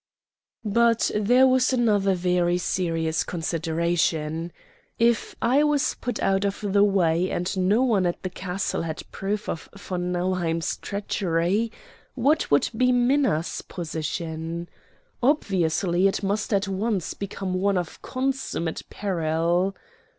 But there was another very serious consideration. If I was put out of the way and no one at the castle had proof of von Nauheim's treachery, what would be Minna's position? Obviously it must at once become one of consummate peril.